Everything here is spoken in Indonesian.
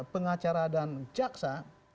pengacara dan caksa